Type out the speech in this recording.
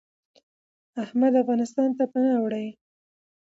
احمد افغانستان ته پناه وړي .